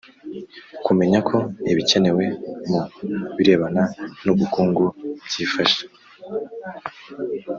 kumenya ko ibikenewe mu birebana n ubukungu byifashe